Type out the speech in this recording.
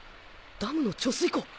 ダムの貯水湖！